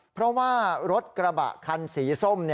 เพราะว่ารถกระบะคันสีส้ม